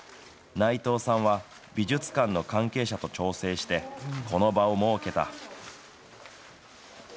内藤さんは美術館の関係者と調整して、この場を設けた。